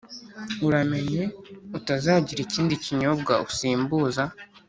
uramenye utazagira ikindi kinyobwa usimbuza